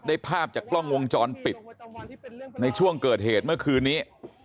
ภาพจากกล้องวงจรปิดในช่วงเกิดเหตุเมื่อคืนนี้